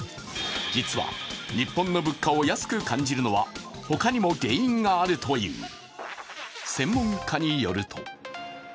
実は、日本の物価を安く感じるのは他にも原因があるという。